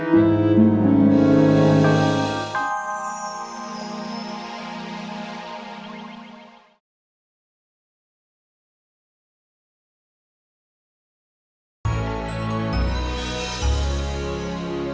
tanggung tanggung tanggung kentung